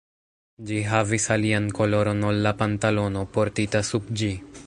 Ĝi havis alian koloron ol la pantalono, portita sub ĝi.